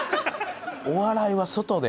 「お笑いは外で！」